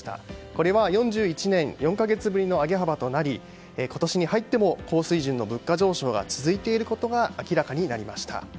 これは４１年４か月ぶりの上げ幅となり今年に入っても高水準の物価上昇が続いていることが明らかになりました。